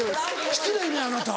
失礼ねあなた！